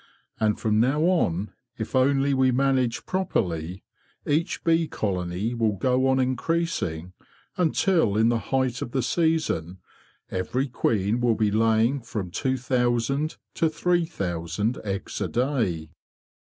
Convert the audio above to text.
And from now on, if only we manage properly, each bee colony will go on increasing until, in the height of the season, every queen will be laying from two thousand to three thousand eggs a day."